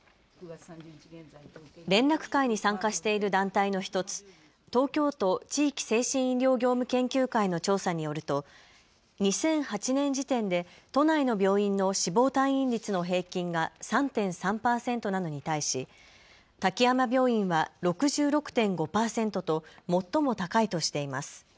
連絡会に参加している団体の１つ、東京都地域精神医療業務研究会の調査によると２００８年時点で都内の病院の死亡退院率の平均が３．３％なのに対し滝山病院は６６．５％と最も高いとしています。